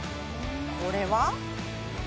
これは。